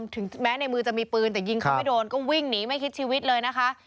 ถึงแม้ในมือจะมีปืนแต่ยิงเขาไม่โดนก็วิ่งหนีไม่คิดชีวิตเลยนะคะ